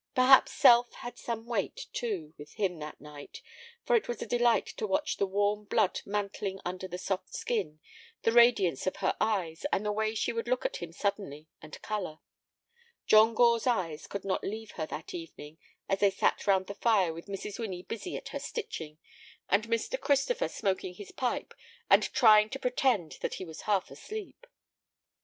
Perhaps self had some weight, too, with him that night, for it was a delight to watch the warm blood mantling under the soft skin, the radiance of her eyes, and the way she would look at him suddenly and color. John Gore's eyes could not leave her that evening as they sat round the fire with Mrs. Winnie busy at her stitching, and Mr. Christopher smoking his pipe and trying to pretend that he was half asleep.